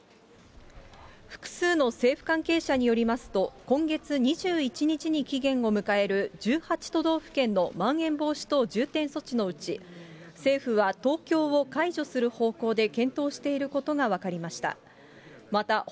複数の政府関係者によりますと、今月２１日に期限を迎える１８都道府県のまん延防止等重点措置のうち、政府は東京を解除する方向で検討していることが分かりました。